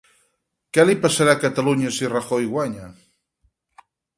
Què li passarà a Catalunya si Rajoy guanya?